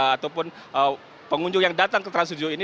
ataupun pengunjung yang datang ke trans studio ini